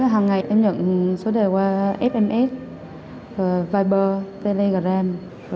hằng ngày em nhận số đề qua sms viber telegram